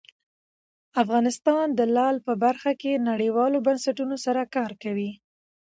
افغانستان د لعل په برخه کې نړیوالو بنسټونو سره کار کوي.